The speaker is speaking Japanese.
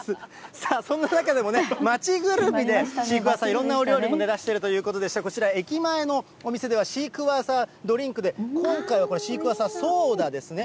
さあ、そんな中でもね、町ぐるみでシークワーサー、いろんなお料理も出してるということでして、駅前のお店ではシークワーサードリンクで、今回はシークワーサーソーダですね。